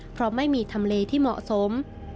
เพราะไม่มีทำเลที่เหมาะสม